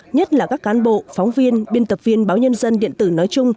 nhất là các cán bộ phóng viên biên tập viên báo nhân dân điện tử nói chung